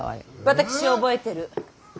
私覚えてる。